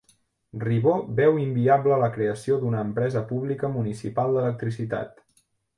Ribó veu inviable la creació d'una empresa pública municipal d'electricitat